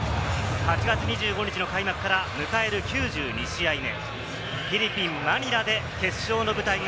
８月２５日開幕から迎える９２試合目。